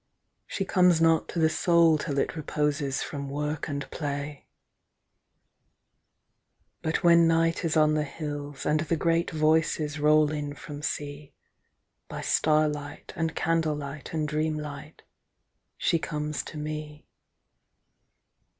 She comes not to the Soul till it reposes From work and play. But when Night is on the hills, and the great Voices Roll in from Sea, By starlight and candle light and dreamlight She comes to me.